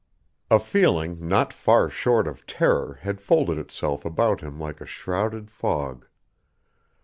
A feeling not far short of terror had folded itself about him like a shrouding fog.